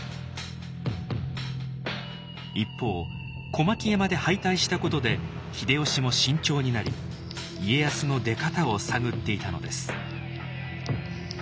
一方小牧山で敗退したことで秀吉も慎重になり家康の出方を探っていたのです。